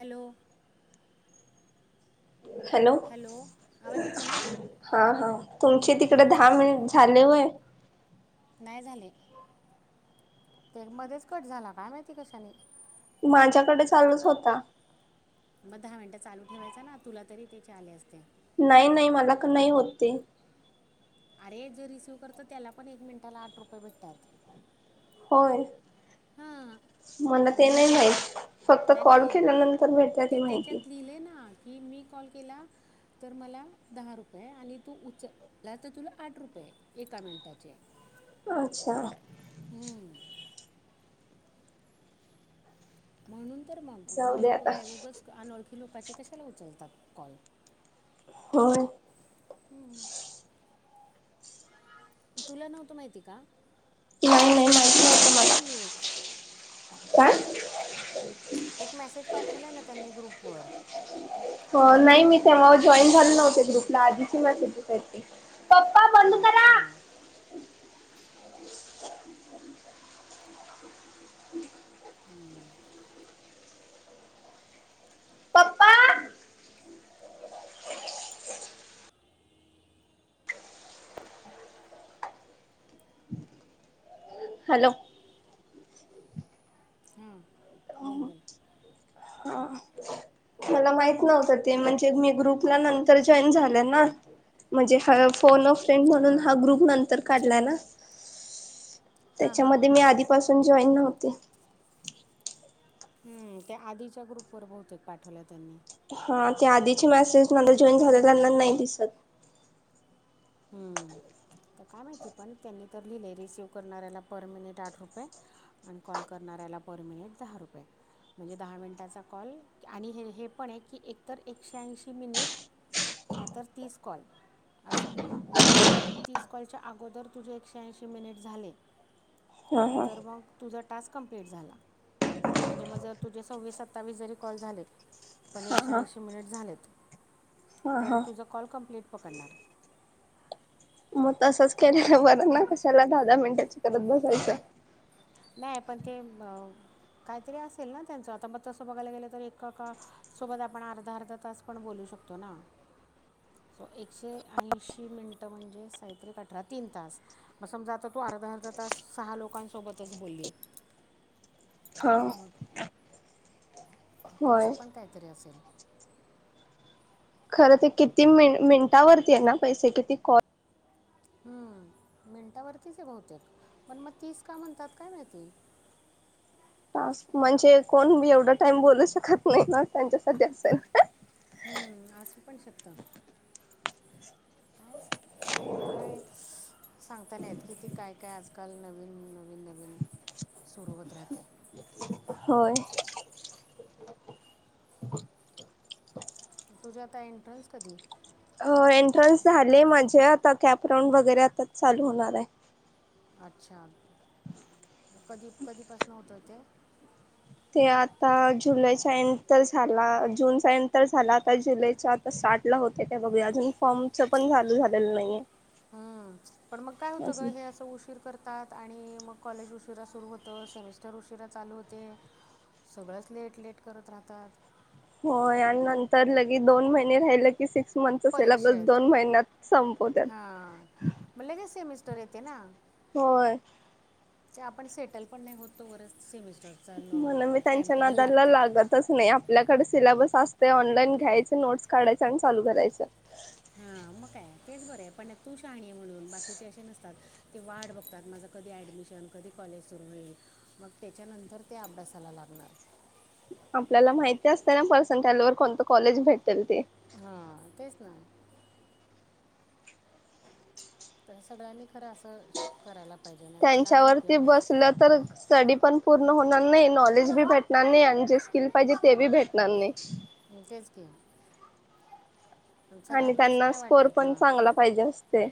Hello. Hello. आवाज येतो ना हा हा. तुमचे तिकडे दहा मिनिट झाले होय? नाही झाले. ते मध्येच कट झाला. काय माहिती कशानी? माझ्याकडे चालूच होता. मग दहा मिनिटं चालू ठेवायचा ना. तुला तरी त्याचे आले असते. नाही नाही. मला का नाही होत ते. जे रिसिव्ह करत त्याला पण एक मिनिटाला आठ रुपये भेटतात. होय हं हं. मला ते नाही म्हणून. माहित फक्त नाही कॉल नाही केल्यानंतर भेटते ते ती माहिती त्याच्यात लिहिलय ना की मी कॉल केला तर मला दहा रुपये आणि तू उचलला तर तुला आठ रुपये. एक [unintelligible] मिनिटाचे. अच्छा. हम्म. म्हणून तर मग? जाऊ मग दे लोक आता काय, उगच अनोळखी लोकांचे कशाला उचलतात कॉल? होय. तुला नव्हतं माहिती का? तो नाही नाही मेसेज माहित पाठवलाय नव्हतं ना मला त्यांनी? एक काय? एक मेसेज पाठवलाय ना त्यांनी ग्रुप वर. हो नाही मी तेव्हा जॉईन झाले नव्हते ग्रुपला आधीची मेसेज येतायत ते. पप्पा बंद अच्छा. करा [unintelligible] पप्पा. हॅलो. हं. हं. मला माहित नव्हत ते. म्हणजे, मी ग्रुपला नंतर जॉईन झाले ना? म्हणजे ह. फोन अ फ्रेंड हां म्हणून हा ग्रुप नंतर काढला ना? हां हां त्याच्यामध्ये हां मी आधीपासून जॉईन नव्हतो. हम्म. त्या आधीच्या ग्रुप वर बहुतेक पाठवल्या त्यांनी. हा. त्या आधीची पण मेसेजमधे आता जॉईन काय झाले माहिती त्यांना नाही दिसत. हम्म. तर काय माहिती पण त्यांनी तर लिहिलंय रिसीव्ह करणाऱ्याला पर मिनिट आठ रुपये आणि कॉल करणार. त्याला पर मिलेट दहा रुपये म्हणजे दहा मिनिटाचा कॉल आणि हे हे पण आहे की एकतर एकशेऐंशी मिनिट नाहीतर तीस कॉल असं जर समजा तीस कॉलच्या अगोदर तुझे एकशे ऐंशी मिनिट झाले. हा हा तर मग तुझा टास्क कंप्लीट झाला म्हणजे मग जर तुझे सव्वीस सत्तावीस जरी कॉल झालेत. पण हा एकशे हा. ऐंशी मिनिट झालेत. हा तर हा तुझा कॉल कम्प्लीट पकडणार. मग तसंच केलेल बरं ना कशाला दहा दहा मिनटाची करत बसायचं. नाही पण ते अ काहीतरी असेल ना त्यांच आता मग तसं बघायला गेलं तर एका सोबत आपण अर्धा अर्धा तास पण बोलू शकतो. शकतो ना. एकशे ऐशी मिनिट म्हणजे साईत्रिक अठरा तीन तास म समजा आता तू अर्धा अर्धा तास सहा लोकांसोबतच बोलली हो. त्याच पण काहीतरी असेल. खरं ते किती मि मिनिटावरती आहे ना पैसे किती कॉल हम्म मिनटावरतीच ये बहुतेक पण मग तीस का म्हणतात काय माहिती [unintelligible] टास्क म्हणजे कोण बी एवढ टाईम बोलू शकत नाही मग त्यांच्यासाठी असेल हम्म असू पण शकत. काय काय सांगता नाही येत किती काय काय आसल काल नवीन नवीन नवीन सुरू होत राहते. होय. तुझ्यात हा इंटरेस्ट कधी अ एंट्रन्स झाले माझे आता कॅपराऊंड वगैरे आता चालू होणार आहे. अच्छा कधी कधीपासन होत ते ते आता जुलैचा एंन्ड तर झाला जूनचा एन्ड तर झाला आता जुलैचा तसा पाठला होते का बघूया अजून फॉर्म च पण झालू झालेलं नाहीये. हम्म पण मग काय होतं ग अजून. हे असं उशीर करत. करतात आणि मग कॉलेज उशिरा सुरू होत सेमिस्टर उशिरा चालू होते. सगळंच लेट लेट करत राहतात. होय आणि नंतर लगेच दोन महिने राहिलं की सिक्स मंथचा परीक्षा सिल्याबस दोन येते महिन्यात संपवत्यात तर येते ना. होय. ते आपण सेटल पण नाही होतो बरच सेमी म्हणून मी त्यांच्या नादाला लागतच नाही आपल्याकड सिलॅबस असते ऑनलाईन घ्यायच नोट्स काढायच आणि चालू करायच. हम्म. मग काय तेच बर ये पण तू शहाणी आहे म्हणून बाकीचे असे नसतात ते वाट बघतात माझं कधी ऍडमिशन माझ कधी कॉलेज सुरू होईल मग त्याच्यानंतर ते अभ्यासाला लागणार. आपल्याला माहिती असते ना परसेंटेज वर कोणत कॉलेज भेटेल ते हा तेच ना. तर सगळ्यांनी खरं असं करायला पाहिजे नाही तर काही त्यांच्यावरती उपयोग नाही बसलं तर स्टडी पण पूर्ण होणार नाही नॉलेज बी भेटणार नाही आणि जे स्किल पाहिजे ते बी भेटणार नाही. तेच की पण आणि सगळ्यांना असं त्यांना नाही स्कोर वाटत पण ना चांगला पाहिजे असते.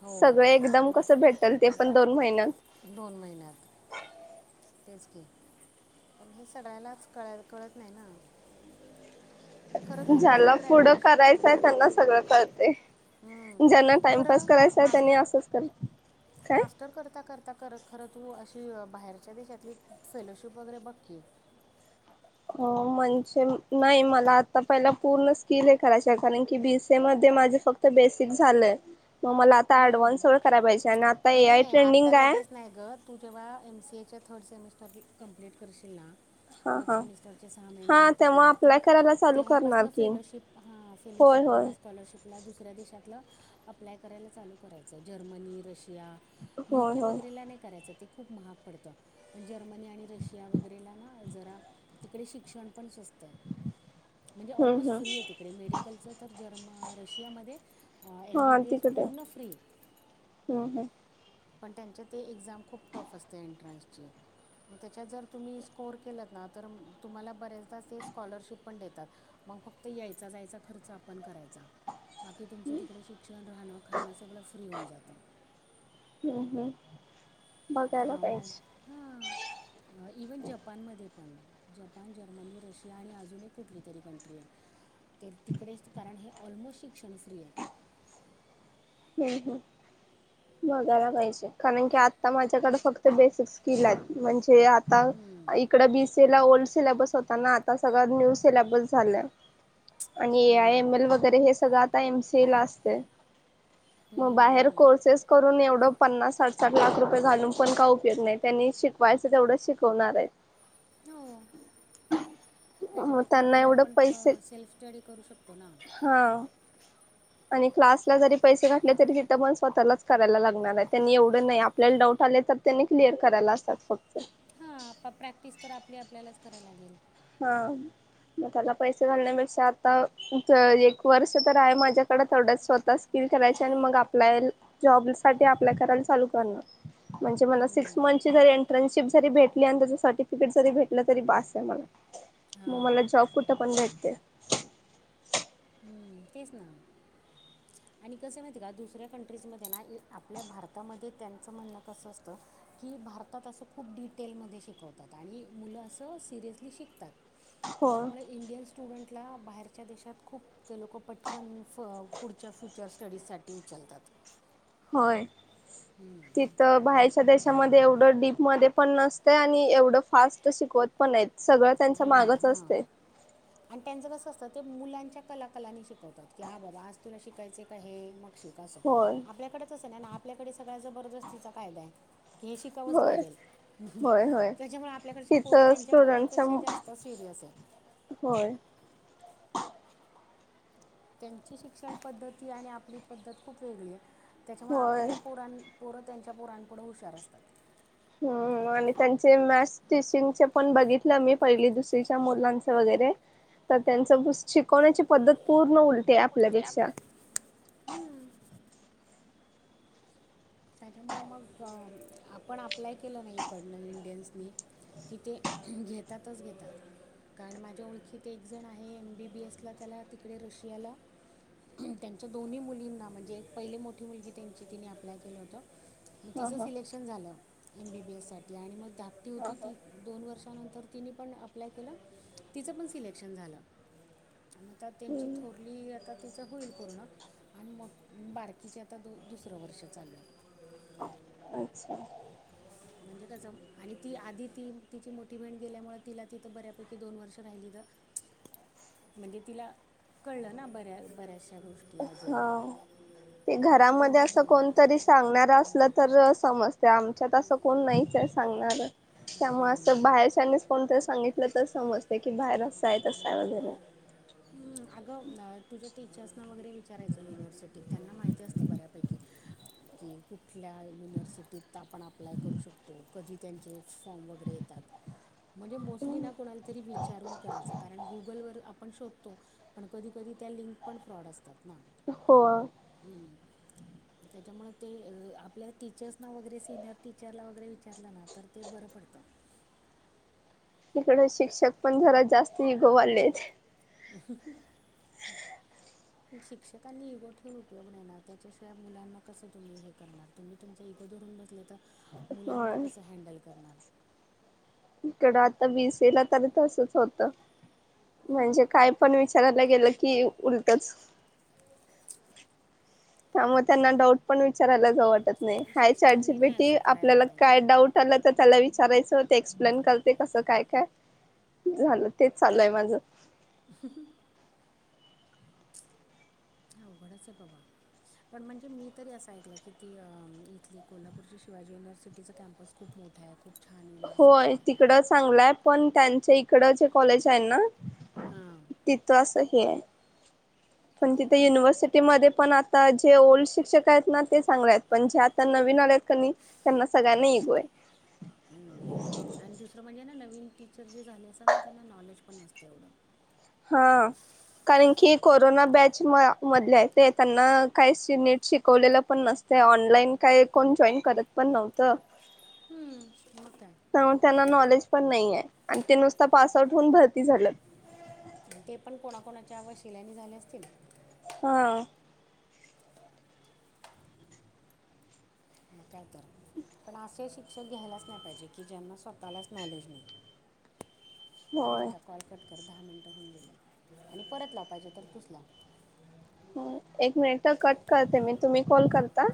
हो सगळ एकदम मग कस भेटल. ते पण दोन महिन्यात. दोन महिन्यात तेच की. पण हे सगळ्यांनाच कळायाला कळत नाही ना मग खरं तुला जर ज्याला पुढं ग्रॅज्युएशन करायचंय त्यांना सगळं कळतंय. ज्यांना तू टाइमपास खरं करायचा आहे त्यांनी मास्टर असंच करा मास्टर करता-करता कर खर तू अशी. बाहेरच्या देशातली फेलोशिप वगैरे बघ की. हो म्हणजे. नाही मला आता पहिला पूर्ण स्किल करायच कारण की बी. सी ए मध्ये माझं सगळं फक्त बेसिक झालंय. मग मला आता ऍडव्हान्स करायला पाहिजे. आणि आता नाही ए आय नाही आत्ता ट्रेंडिंग आहे. हे थर्ड सेमिस्टर कम्प्लीट करशील ना? हा फोर्थ हा सेमिस्टरचे सहा महिने हा राहतात तेव्हा ना अप्लाय तर. करायला चालू करणार तेव्हापासून की फेलोशिप हा. होय फेलोशिपला, होय स्कॉलरशिपला, दुसऱ्या देशातला. अप्लाय करायला चालू करायच. जर्मनी, रशिया, होय युके होय वगैरेला नाही करायचं ते. खूप महाग पडतं. पण जर्मनी, आणि रशिया. वगैरेला ना जरा तिकडे शिक्षण पण स्वस्त. म्हणजे हम्म ऑलमोस्ट हम्म फ्री आहे. तिकडे मेडिकलचं तर जर्मन रशियामध्ये. एम हा बी बी एस तिकड. पूर्ण फ्री. पण त्यांच्या ते एक्झाम खूप टफ असते एंट्रन्सची. त्याच्यात जर तुम्ही स्कोर केलात ना. तर तुम्हाला बरेचदा ते स्कॉलरशिप पण देतात. मग फक्त यायचा-जायचा खर्च आपण करायचा. बाकी तुमचं तिकडे शिक्षण राहणं खाणं सगळं फ्री होऊन जातं. हम्म हम्म बघायला पाहिजे हा. इव्हन जपानमध्ये. जपान, जर्मनी, रशिया, आणि अजून एक कुठली तरी कंट्री आहे. तर तिकडेच कारण हे ऑलमोस्ट शिक्षण फ्री आहे. ह. ह. बघायला पाहिजे. कारण की आता माझ्याकडे फक्त बेसिक स्किल आहेत. म्हणजे. आता इकड बी. सी. ए ला ओल्ड. सिलेबस होताना. आता सगळ्या न्यू सिलेबस झाल्या. आणि ए. आय. एम. हां एल. वगैरे हे सगळं आता एमसीए ला असते. मग बाहेर कोर्सेस करून एवढ. तेवढ पन्नास साठ-साठ लाख रुपये घालून पण काय उपयोग नाही. त्यांनी शिकवायच तेवढच शिकवणार आहे. हो. ह [unintelligible] त्याच्यापेक्षा आपली आपण. सेल्फ स्टडी करू शकतो ना. हा आणि क्लासला जरी. पैसे घातले तरी तिथं पण. स्वतःलाच करायला लागणार आहे त्यांनी एवढं नाही आपल्याला डाऊट आले तर त्यांनी क्लिअर करायला. असतात फक्त. प्रॅक्टिस तर आपली आपल्यालाच कराय लागेल. हा. मग त्याला पैसे घालण्यापेक्षा आता. एक वर्ष तर आहे माझ्याकडे तेवड्या स्वतः स्किल करायच आणि मग जॉबसाठी. अप्लाय करायला चालू करणार. म्हणजे मला सिक्स मंथची जरी एंटर्नशिप जरी भेटली. आणि त्याच सर्टिफिकेट जरी भेटलं. तरी बास आहे मला. मग हां मला जॉब कुठं पण भेटते. हम्म, तेच ना. आणि कसय माहिती का. दुसऱ्या कंट्रीजमध्ये ना आपल्या भारतामध्ये त्यांचं म्हणणं कसं असतं. की भारतात असं खूप डिटेलमध्ये शिकवतात. आणि मुलं असं सिरियसली शिकतात. हो त्याच्यामुळे इंडियन स्टुडंटला बाहेरच्या देशात खूप ते लोक. पटकन पुढच्या फ्युचर स्टडीजसाठी उचलतात. होय तिथं बाहेर देशामध्ये एवढं डीपमध्ये पण नसतं आणि एवढं फास्ट शिकवत पण नाहीत सगळं त्यांचा हां मागच हां असते आणि त्यांचं कसं असतं ते मुलांच्या कलाकलांनी शिकवतात की हा बाबा आज तुला शिकायचे काय हे मग होय आपल्याकडेच नाही ना आपल्याकडे सगळ्या जबरदस्तीचा कायदा आहे हे शिकावंच होय लागेल होय होय त्याच्यामुळे आपल्याकडचे पोरं तिथं त्यांच्या स्टुडंटच्या पोरांपेक्षा जास्त सिरियस असे होय त्यांची शिक्षण पद्धती आणि आपली पद्धत खूप वेगळी आहे त्याच्यामुळे होय आपल्या पोरां पोरं त्यांच्या पोरांपुढं हुशार असतात हम्म आणि त्यांचे मॅस टीचिंगचे पण बघितलं मी पहिली दुसरीच्या मुलांच वगैरे त्यांची शिकवण्याची पद्धत पूर्ण ते पण आपल्यापेक्षा आपल्या त्याच्यामुळे मग आपण अप्लाय केलं नाही कर्नल इंडियन्सनी की ते घेतातच घेतात कारण माझ्या ओळखीत एक जण आहे एमबी बी एस ला त्याला तिकडे रशियाला त्यांच्या दोन्ही मुलींना म्हणजे एक पहिले मोठी मुलगी त्यांची तिने अप्लाय केली होती हा तिचं हा सिलेक्शन झालं एम बी बी एससाठी आणि मग धाकटी हा होती हा ती दोन वर्षानंतर तिने पण अप्लाय केलं तिचं पण सिलेक्शन झालं आणि आता त्यांची हम्म थोरली आता तिच होईल पूर्ण आणि बारकीचे आता दोन दुसरं वर्ष चाललं अच्छा म्हणजे कसं आणि ती आधी ती तिची मोटिव्हेंट गेल्यामुळे तिला तिथं बऱ्यापैकी दोन वर्ष राहिली तर म्हणजे तिला कळलं ना बऱ्या बऱ्याचशा गोष्टी अजून हा ते आता घरामध्ये दोघी असं बहिणी कोणतरी सांगणार असलं तर समजते आ त्याच्यात असं कोण नाहीच आहे सांगणार त्यामुळे असं बाहेरच्यानीच कोणतरी सांगितलं तर समजते की बाहेर असंय तसय वगैरे हम् अगं तुझ्या टीचर्सनां वगैरे विचारायचं युनिव्हर्सिटीत त्यांना माहिती असतं बऱ्यापैकी की कुठल्या युनिव्हर्सिटीत आपण अप्लाय करू शकतो कधी त्यांचे फॉर्म वगैरे येतात म्हणजे मोस्टली ना कोणाला तरी विचारून करायच कारण गुगलवर आपण शध पण कधी कधी त्या लिंक पण फ्रॉड असतात ना हो [inaudible] त्याच्यामुळे ते आपल्या टीचर्स ना वगैरे सिनियर टीचरला वगैरे विचारलं ना तर ते बरं पडतं [inaudible] इकड शिक्षक पण जरा जास्त इगोवाले [inaudible] शिक्षकांनी इगो ठेवून उपयोग नेणार त्याच्याशिवाय मुलांना कस तुम्ही हे करणार तुम्ही तुमचा ून बस तर हो मुलांना कस हडल करणार इड आता विसेला त तसच होत म्हणजे काय पण विचार गेलं की उलटच त्या मग त्यांना डाऊट पण विचारायला जा वाटत नाही पण हाय शिक्षकांनी नाही चारजीपेटी असं करायला आपल्याला पाहिजे काय डाऊट आलं तर त्याला वि विचारायचं ते एक्सप्लेन करते कसं काय काय झालं तेच चालय माझ [inaudible] अवघडच बाबा पण म्हणजे मी त असं ऐकलं की ती इथली कोल्हापूरची शिवाजी युनिव्हर्सिटीचा कॅम्पस खूप मोठा आहे खूप छान होय युनिव्हर्सिटी आहे तिकड चांगलंय पण त्यांच्या इकड जे कॉलेज आहे ना हां तिथ असं ह आहे पण तिथे मग तू युनव्हर्सिटीमध्ये पण. आता जे ओल्ड शिक्षक आहेत ना? ते चांगले आहेत. पण जे आता नवीन आले आहेत कनी त्यांना सगळ्यांना इगो हाय. हम्म आणि दुसरं म्हणजे ना नवीन टीचर जे झाले असात ना, त्यांना नॉलेज पण नसत एवढं. हा. कारण की, कोरोना बॅच म मधले आहेत, ते त्यांना काही नीट शिकवलेलं पण नस ते. ऑनलाईन काय कोण जॉईन करत पण नव्हतं? हम्म, मग काय तर त्यांना नॉलेज पण नाही हाय. आणि ते नुसत पास आउट होऊन भरती झालं. ते पण कोणाकोणाच्या वशिल्यानी झाले असतील? हा. कायतर, पण असे शिक्षक घ्यायलाच नाही पाहिजे की, ज्यांना स्वतःलाच नॉलेज नाही. थांब होय. आता कॉल करतो. बर, दहा मिनिटं होऊन गेले आणि परत लाव पाहिजे तर, तूच लाव. एक मिनिट हा कट करते मी. तुम्ही कॉल करता?